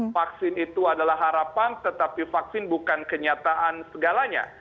vaksin itu adalah harapan tetapi vaksin bukan kenyataan segalanya